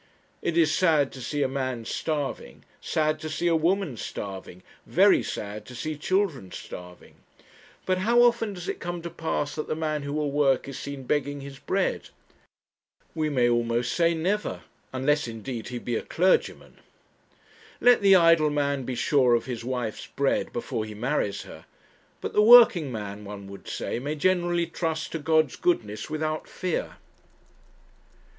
It is sad to see a man starving sad to see a woman starving very sad to see children starving. But how often does it come to pass that the man who will work is seen begging his bread? we may almost say never unless, indeed, he be a clergyman. Let the idle man be sure of his wife's bread before he marries her; but the working man, one would say, may generally trust to God's goodness without fear.